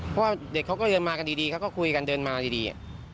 เพราะว่าเด็กเขาก็เดินมากันดีเขาก็คุยกันเดินมาดี